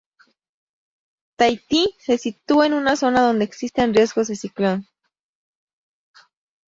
Tahití se sitúa en una zona donde existen riesgos de ciclón.